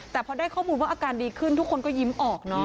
แต่พอได้ข้อมูลว่าอาการดีขึ้นทุกคนก็ยิ้มออกเนอะ